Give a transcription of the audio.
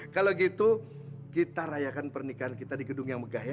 kalau gitu kita rayakan pernikahan kita di gedung yang megah ya